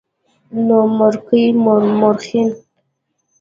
نومورکي مؤرخين